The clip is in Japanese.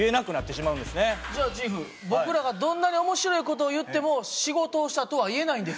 じゃあチーフ僕らがどんなに面白い事を言っても仕事をしたとは言えないんですか？